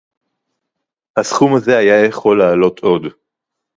הַסְּכוּם הַזֶּה הָיָה יָכוֹל לַעֲלוֹת עוֹד.